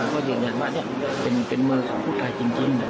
ก็ยืนยันว่าเป็นมือของผู้ตายจริง